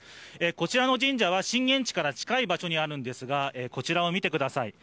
こちらの神社は震源地から近い場所にあるんですが、こちらを見てください。